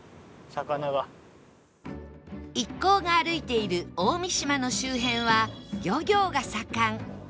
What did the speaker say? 一行が歩いている大三島の周辺は漁業が盛ん